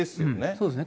そうですね。